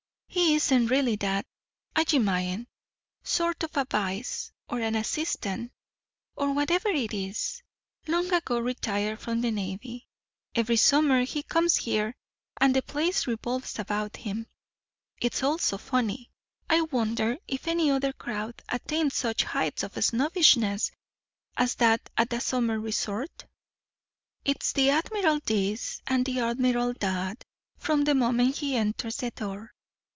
He isn't really that, I imagine sort of a vice, or an assistant, or whatever it is, long ago retired from the navy. Every summer he comes here, and the place revolves about him. It's all so funny. I wonder if any other crowd attains such heights of snobbishness as that at a summer resort? It's the admiral this, and the admiral that, from the moment he enters the door.